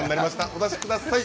お出しください。